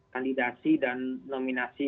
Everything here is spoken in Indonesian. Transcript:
kandidasi dan nominasi